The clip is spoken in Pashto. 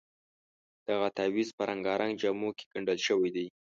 دغه تعویض په رنګارنګ جامو کې ګنډل شوی دی.